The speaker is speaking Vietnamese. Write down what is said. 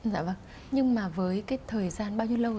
dạ vâng nhưng mà với cái thời gian bao nhiêu lâu